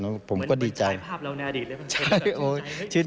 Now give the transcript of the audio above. เหมือนมีสายภาพเราในอดีตเลย